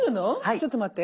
ちょっと待って。